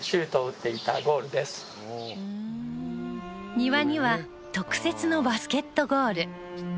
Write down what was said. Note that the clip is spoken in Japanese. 庭には特設のバスケットゴール。